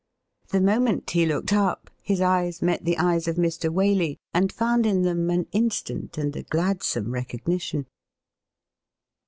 The moment he looked up, his eyes met the eyes of Mr. Waley, and fomid in them an instant and a gladsome recognition.